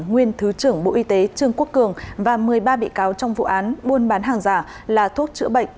nguyên thứ trưởng bộ y tế trương quốc cường và một mươi ba bị cáo trong vụ án buôn bán hàng giả là thuốc chữa bệnh